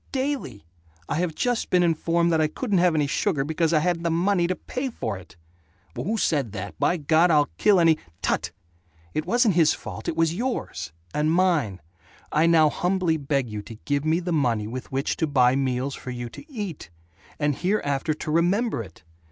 Daily! I have just been informed that I couldn't have any sugar because I hadn't the money to pay for it!" "Who said that? By God, I'll kill any " "Tut. It wasn't his fault. It was yours. And mine. I now humbly beg you to give me the money with which to buy meals for you to eat. And hereafter to remember it.